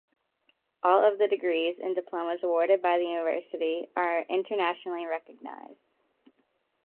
All of the degrees and diplomas awarded by the university are internationally recognised.